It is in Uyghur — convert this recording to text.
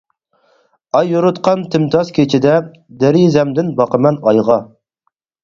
ئاي يورۇتقان تىمتاس كېچىدە، دېرىزەمدىن باقىمەن ئايغا.